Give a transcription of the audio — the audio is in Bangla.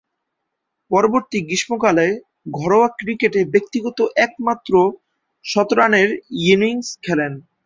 পরবর্তী গ্রীষ্মকালে ঘরোয়া ক্রিকেটে ব্যক্তিগত একমাত্র শতরানের ইনিংস খেলেন।